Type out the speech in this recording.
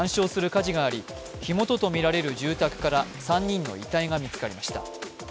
火事があり火元とみられる住宅から３人の遺体が見つかりました。